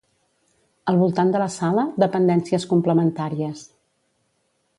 Al voltant de la sala, dependències complementàries.